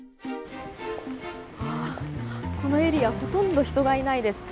このエリアほとんど人がいないです。